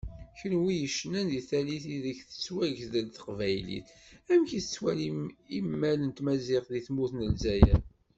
Kunwi yecnan di tallit ideg tettwagdel teqbaylit, amek tettwaliḍ imal n tmaziɣt di tmurt n Lezzayer?